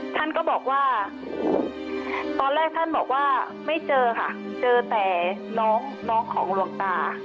ท่านก็บอกว่าตอนแรกท่านบอกว่าไม่เจอค่ะเจอแต่น้องของหลวงตา